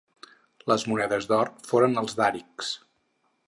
Les monedes d'or foren els dàrics.